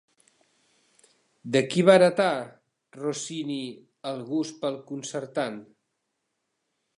De qui va heretar Rossini el gust pel concertant?